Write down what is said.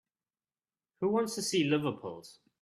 Who wants to see liver pills?